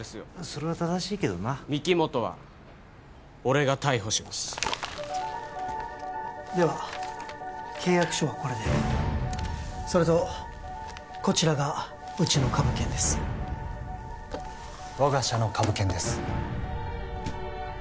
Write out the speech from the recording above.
それは正しいけどな御木本は俺が逮捕しますでは契約書はこれでそれとこちらがうちの株券です我が社の株券です